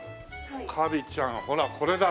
カビちゃんほらこれだ。